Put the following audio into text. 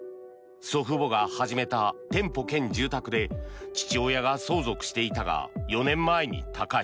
祖父母が始めた店舗兼住宅で父親が相続していたが４年前に他界。